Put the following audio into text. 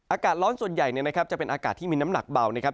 อากาศร้อนส่วนใหญ่จะเป็นอากาศที่มีน้ำหนักเบานะครับ